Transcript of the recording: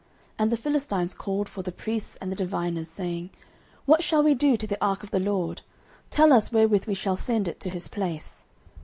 09:006:002 And the Philistines called for the priests and the diviners, saying, What shall we do to the ark of the LORD? tell us wherewith we shall send it to his place.